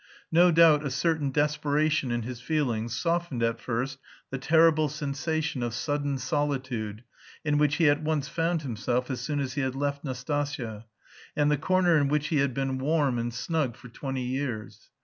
No doubt a certain desperation in his feelings softened at first the terrible sensation of sudden solitude in which he at once found himself as soon as he had left Nastasya, and the corner in which he had been warm and snug for twenty years.